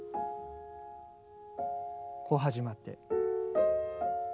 こう始まって。